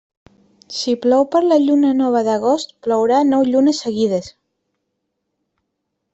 Si plou per la lluna nova d'agost, plourà nou llunes seguides.